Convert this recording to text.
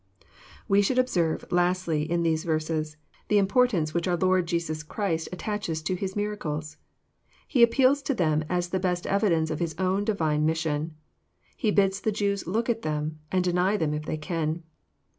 J '^1 We should observe, lastly, in these verses, tJie importance which our Lord Jesiia Christ attaches to His miracles. He appeals to them as the best evidence of His own Divine mission. He bids the Jews look at them, and deny them if they can.